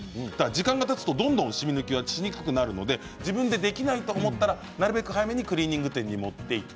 時間がたつと、どんどんしみ抜きができなくなるので自分でできないと思ったらなるべく早めにクリーニング店に持っていく。